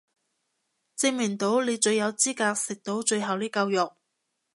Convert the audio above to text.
證明到你最有資格食到最後呢嚿肉